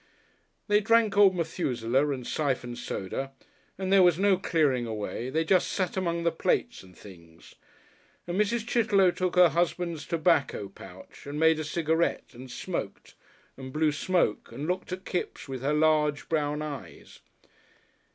They drank old Methusaleh and syphon soda, and there was no clearing away, they just sat among the plates and things, and Mrs. Chitterlow took her husband's tobacco pouch and made a cigarette and smoked and blew smoke and looked at Kipps with her large, brown eyes.